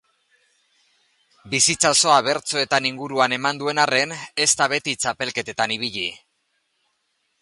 Bizitza osoa bertsoaren inguruan eman duen arren, ez da beti txapelketetan ibili.